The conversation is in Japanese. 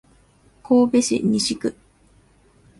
神戸市西区